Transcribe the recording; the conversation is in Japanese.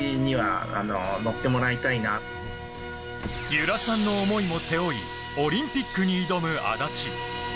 由良さんの思いを背負いオリンピックに挑む足立。